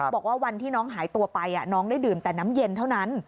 บอกว่าวันที่น้องหายตัวไปน้องได้ดื่มแต่น้ำเย็นเท่านั้น